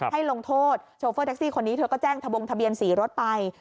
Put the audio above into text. ให้ลงโทษโชเฟอร์แท็กซี่คนนี้เธอก็แจ้งทะบงทะเบียนสีรถไป